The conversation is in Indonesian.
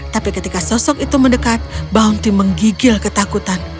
tapi ketika sosok itu mendekat bounty menggigil ketakutan